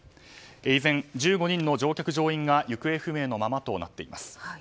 依然、１５人の乗客・乗員が行方不明のままとなっています。